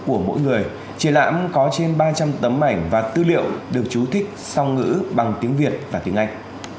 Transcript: chú thích song ngữ bằng tiếng việt và tiếng anh